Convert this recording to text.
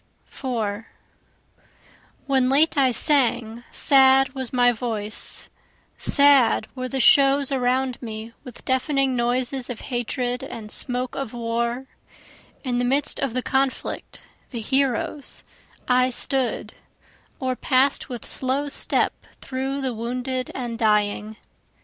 4 When late I sang sad was my voice, Sad were the shows around me with deafening noises of hatred and smoke of war; In the midst of the conflict, the heroes, I stood, Or pass'd with slow step through the wounded and dying.